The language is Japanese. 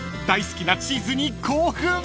大好きなチーズに興奮！］